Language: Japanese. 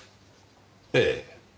ええ。